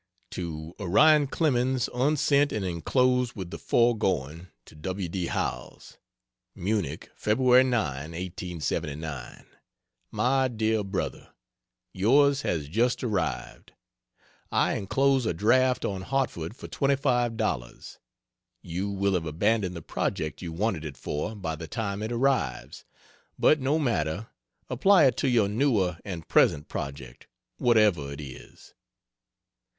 To Orion Clemens Unsent and inclosed with the foregoing, to W. D. Howells: MUNICH, Feb. 9, (1879) MY DEAR BRO., Yours has just arrived. I enclose a draft on Hartford for $25. You will have abandoned the project you wanted it for, by the time it arrives, but no matter, apply it to your newer and present project, whatever it is.